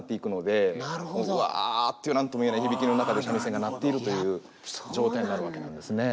ぶわって何とも言えない響きの中で三味線が鳴っているという状態になるわけなんですね。